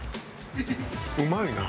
うまいな。